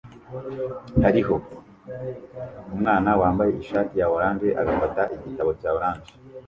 Hariho umwana wambaye ishati ya orange agafata igitabo cya orange